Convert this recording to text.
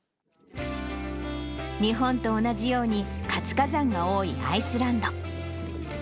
日本と同じように活火山が多いアイスランド。